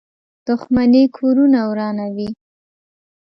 • دښمني کورونه ورانوي.